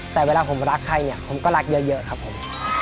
แต่เวลาผมรักใครเนี่ยผมก็รักเยอะครับผม